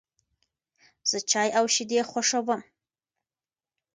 زه چای او شیدې خوښوم.